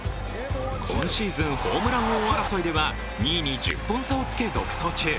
今シーズンホームラン王争いでは２位に１０本差をつけ独走中。